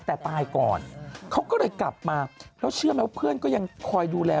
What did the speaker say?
แต่ตายก่อนเขาก็เลยกลับมาแล้วเชื่อไหมว่าเพื่อนก็ยังคอยดูแล